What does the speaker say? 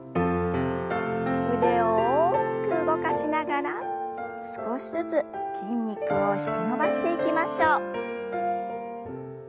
腕を大きく動かしながら少しずつ筋肉を引き伸ばしていきましょう。